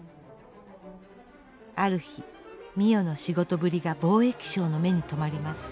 ある日美世の仕事ぶりが貿易商の目にとまります。